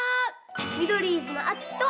ミドリーズのあつきと。